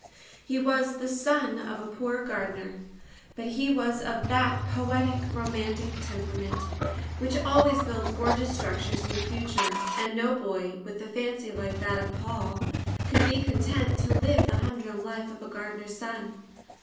He was the son of a poor gardener. But he was of that poetic romantic temperament, which always builds gorgeous structures in the future; and no boy, with a fancy like that of John Pul could be content to live the humdrum life of a gardener's son.